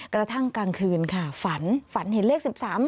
กระทั่งกลางคืนฝันเห็นเลข๑๓